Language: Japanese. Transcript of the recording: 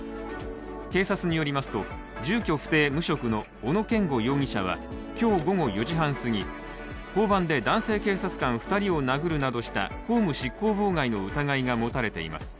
警察によりますと、住居不定・無職の小野健吾容疑者は今日午後４時半すぎ、交番で男性警察官２人を殴るなどした公務執行妨害の疑いが持たれています。